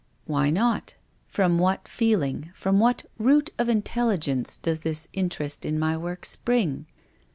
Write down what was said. '* Why not ? From what feeling, from what root of intelligence does his interest in my work spring